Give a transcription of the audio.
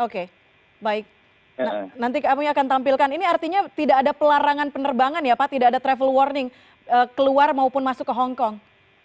oke baik nanti kami akan tampilkan ini artinya tidak ada pelarangan penerbangan ya pak tidak ada travel warning keluar maupun masuk ke hongkong